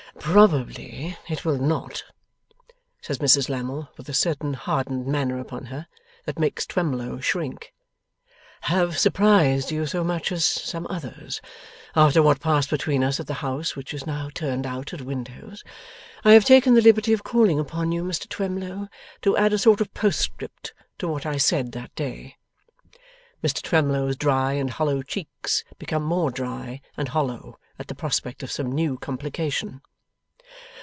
'Probably it will not,' says Mrs Lammle, with a certain hardened manner upon her, that makes Twemlow shrink, 'have surprised you so much as some others, after what passed between us at the house which is now turned out at windows. I have taken the liberty of calling upon you, Mr Twemlow, to add a sort of postscript to what I said that day.' Mr Twemlow's dry and hollow cheeks become more dry and hollow at the prospect of some new complication.